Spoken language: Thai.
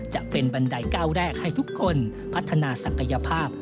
จะเป็นบันไดก้าวแรกให้ทุกคนพัฒนาศักยภาพ